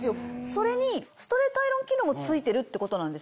それにストレートアイロン機能もついてるってことなんですよね？